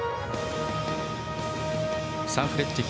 サンフレッチェ